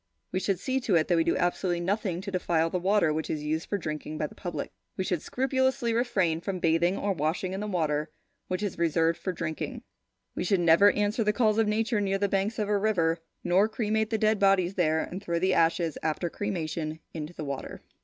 We should see to it that we do absolutely nothing to defile the water which is used for drinking by the public. We should scrupulously refrain from bathing or washing in the water which is reserved for drinking; we should never answer the calls of nature near the banks of a river, nor cremate the dead bodies there and throw the ashes after cremation into the water.